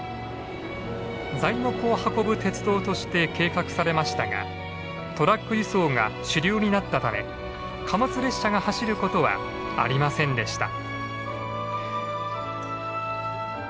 材木を運ぶ鉄道として計画されましたがトラック輸送が主流になったため貨物列車が走ることはありませんでした。